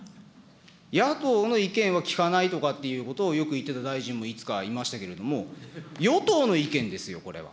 野党の意見は聞かないとかっていうことをよく言ってた大臣もいつかいましたけれども、与党の意見ですよ、これは。